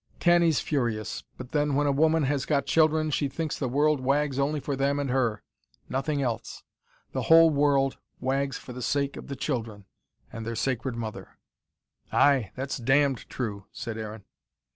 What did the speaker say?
"Tanny's furious. But then, when a woman has got children, she thinks the world wags only for them and her. Nothing else. The whole world wags for the sake of the children and their sacred mother." "Ay, that's DAMNED true," said Aaron.